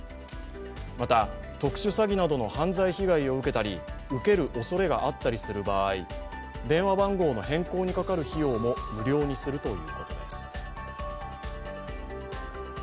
また特殊詐欺などの犯罪被害を受けたり受けるおそれがあったりする場合、電話番号の変更にかかる費用も無料にするということです。